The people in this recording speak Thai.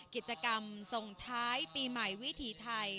กิจกรรมส่งท้ายปีใหม่วิถีไทย